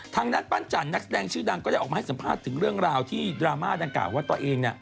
ทางด้านปั้นจันทร์นักแสดงชื่อดังก็ได้ออกมาให้สัมภาษณ์ถึงเรื่องราวที่ดราม่าดังกล่าวว่าตัวเอง